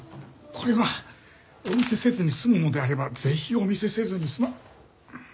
これはお見せせずに済むのであればぜひお見せせずに。